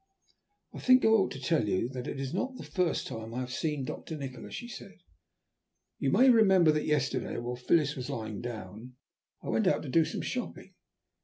"I think I ought to tell you that it is not the first time I have seen Doctor Nikola," she said. "You may remember that yesterday, while Phyllis was lying down, I went out to do some shopping.